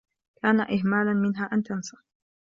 كان إهمالا منها أن تنسى.